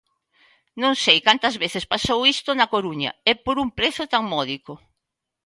Non sei cantas veces pasou isto na Coruña e por un prezo tan módico.